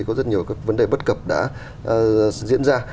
có rất nhiều các vấn đề bất cập đã diễn ra